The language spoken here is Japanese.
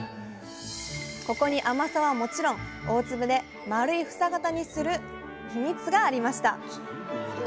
ここに甘さはもちろん大粒で丸い房型にするヒミツがありました。